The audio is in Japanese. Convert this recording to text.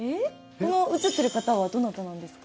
この映ってる方はどなたなんですか？